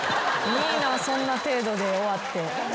いいなぁそんな程度で終わって。